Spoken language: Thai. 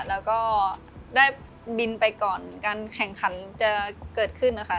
แล้วก็ได้บินไปก่อนการแข่งขันจะเกิดขึ้นนะคะ